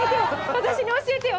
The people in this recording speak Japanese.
私に教えてよ！